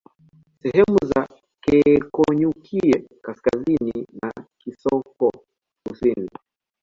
Sehemu za Keekonyukie kaskazini na Kisonko kusini